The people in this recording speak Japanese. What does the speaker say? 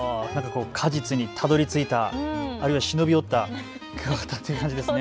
果実にたどりついた、あるいは忍び寄ったクワガタという感じですね。